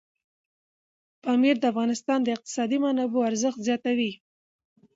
پامیر د افغانستان د اقتصادي منابعو ارزښت زیاتوي.